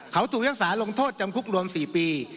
เขาถูกพิภาคสาลงโทษจำคุกรวมสี่ปี